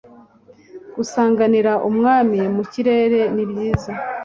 gusanganira Umwami mu kirere nibyiza